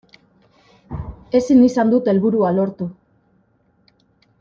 Ezin izan dut helburua lortu.